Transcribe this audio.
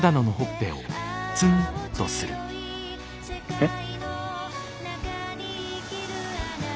えっ。